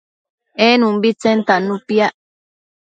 en umbitsen tannu piac